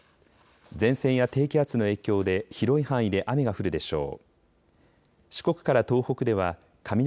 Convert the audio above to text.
前線や低気圧の影響で広い範囲で雨が降るでしょう。